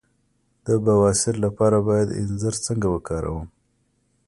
د بواسیر لپاره باید انځر څنګه وکاروم؟